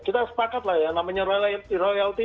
kita sepakat lah ya namanya royalty